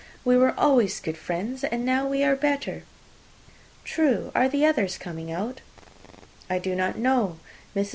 We were always good friends, and now we are better." "True. Are the others coming out?" "I do not know. Mrs.